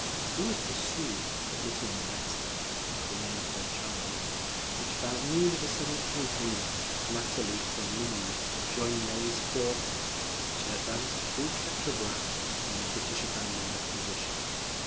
He was pursued, but little molested, by the main French army, which about noon of the 17th moved laterally from Ligny, and joined Ney's forces, which had advanced through Quatre Bras when the British abandoned that position.